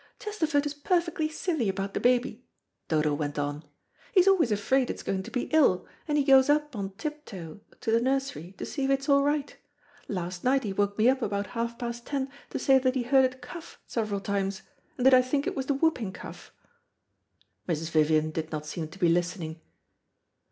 "Chesterford is perfectly silly about the baby," Dodo went on. "He's always afraid it's going to be ill, and he goes up on tiptoe to the nursery, to see if it's all right. Last night he woke me up about half past ten, to say that he heard it cough several times, and did I think it was the whooping cough." Mrs. Vivian did not seem to be listening.